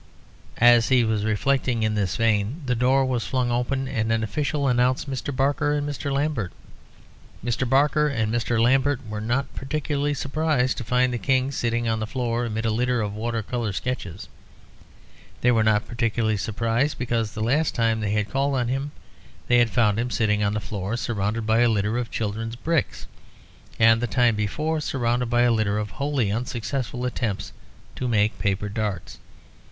As he was reflecting in this vein, the door was flung open, and an official announced Mr. Barker and Mr. Lambert. Mr. Barker and Mr. Lambert were not particularly surprised to find the King sitting on the floor amid a litter of water colour sketches. They were not particularly surprised because the last time they had called on him they had found him sitting on the floor, surrounded by a litter of children's bricks, and the time before surrounded by a litter of wholly unsuccessful attempts to make paper darts.